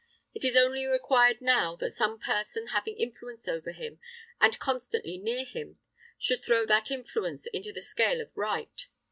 It is only required now that some person having influence over him, and constantly near him, should throw that influence into the scale of right.